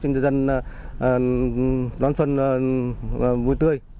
cho dân đón xuân vui tươi